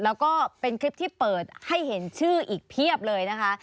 แล้วก็เป็นคลิปที่เปิดให้เห็นชื่ออีกเพียบเลยนะคะ